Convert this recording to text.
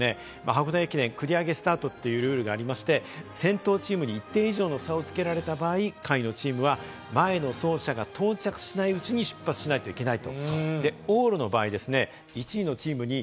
箱根駅伝繰り上げスタートというルールがありまして、先頭チームに一定以上の差をつけられた場合、前の走者が到着しないうちに下位のチームは出発しないといけない。